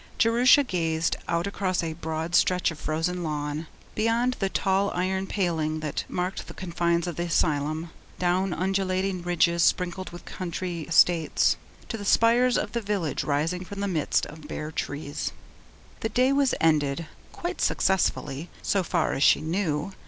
Jerusha gazed out across a broad stretch of frozen lawn, beyond the tall iron paling that marked the confines of the asylum, down undulating ridges sprinkled with country estates, to the spires of the village rising from the midst of bare trees. The day was ended quite successfully, so far as she knew.